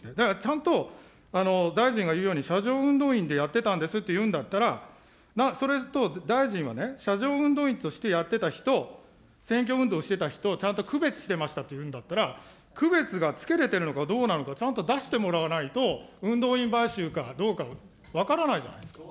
だからちゃんと大臣が言うように車上運動員でやっていたんですっていうんだったら、それと大臣はね、車上運動員としてやってた人、選挙運動をしていた人、ちゃんと区別していましたというんだったら、区別がつけれてるのかどうなのか、ちゃんと出してもらわないと、運動員買収かどうか分からないじゃないですか。